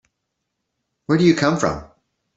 Where do you come from?